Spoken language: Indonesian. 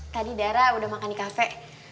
tadi dara udah makan di kafe